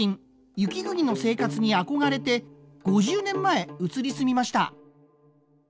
雪国の生活に憧れて５０年前移り住みました。